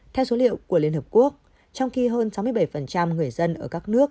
theo số liệu của liên hợp quốc trong khi hơn sáu mươi bảy người dân ở các nước